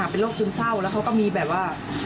เป็นโรคซึมเศร้าแล้วเขาก็มีแบบว่า